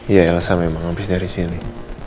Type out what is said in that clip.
iya elsa memang habis dari sini